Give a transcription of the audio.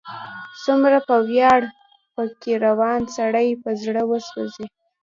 څومره په ویاړ، په کې روان، سړی په زړه وسوځي